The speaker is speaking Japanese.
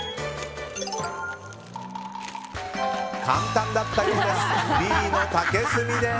簡単だったようです。